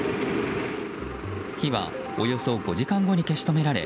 火はおよそ５時間後に消し止められ